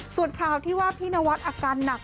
ส่วนข่าวที่ว่าพี่นวัดอาการหนัก